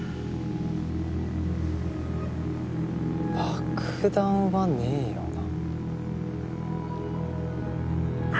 爆弾はねえよな？